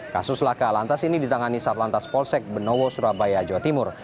kasus laka lantas ini ditangani saat lantas polsek benowo surabaya jawa timur